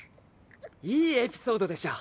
いいエピソードでしょ。